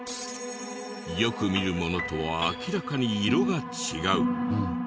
よく見るものとは明らかに色が違う。